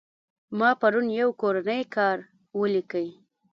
ما پرون يو کورنى کار وليکى.